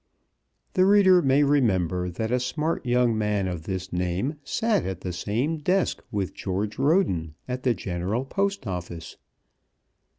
The reader may remember that a smart young man of this name sat at the same desk with George Roden at the General Post Office.